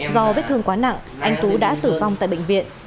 do vết thương quá nặng anh tú đã tử vong tại bệnh viện